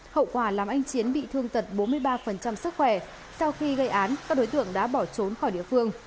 hậu quả làm anh chiến bị thương tật bốn mươi ba sức khỏe sau khi gây án các đối tượng đã bỏ trốn khỏi địa phương